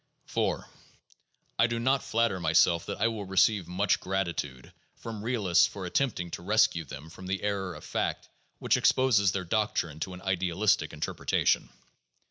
IV I do not flatter myself that I will receive much gratitude from realists for attempting to rescue them from that error of fact which exposes their doctrine to an idealistic interpretation.